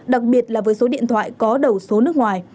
đặc biệt là với số điện thoại có đầu số nước ngoài